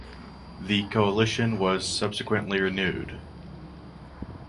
The coalition was subsequently renewed.